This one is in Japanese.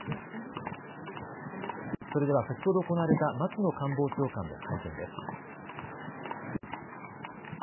それでは先ほど行われた松野官房長官の会見です。